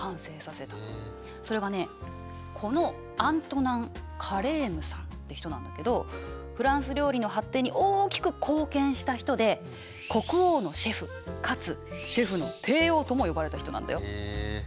それがこのアントナン・カレームさんって人なんだけどフランス料理の発展に大きく貢献した人で国王のシェフかつシェフの帝王とも呼ばれた人なんだよ。へえ。